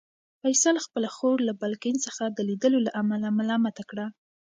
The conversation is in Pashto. فیصل خپله خور له بالکن څخه د لیدلو له امله ملامته کړه.